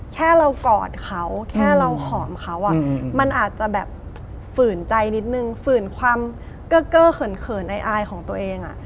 แค่เรากอดเขาแค่เราหอมเขามันอาจจะแบบฝืนใจนิดนึงฝืนความเกื้อเขินอายของตัวเอง